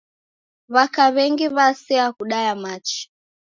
W'aka w'engi w'asea kudaya machi.